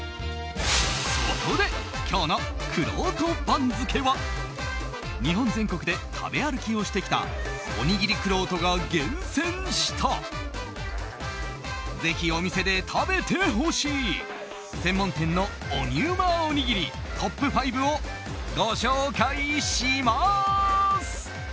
そこで、今日のくろうと番付は日本全国で食べ歩きをしてきたおにぎりくろうとが厳選したぜひお店で食べてほしい専門店の鬼ウマおにぎりトップ５をご紹介します。